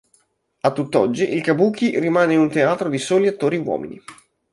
A tutt'oggi il Kabuki rimane un teatro di soli attori uomini.